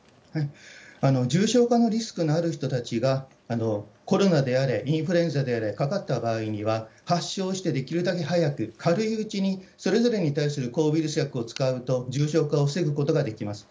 重症化のリスクのある人たちがコロナであれ、インフルエンザであれ、かかった場合には、発症してできるだけ早く、軽いうちにそれぞれに対する抗ウイルス薬を使うと、重症化を防ぐことができます。